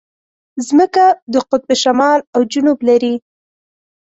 مځکه د قطب شمال او جنوب لري.